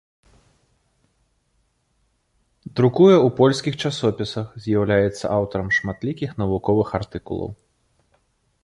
Друкуе ў польскіх часопісах, з'яўляецца аўтарам шматлікіх навуковых артыкулаў.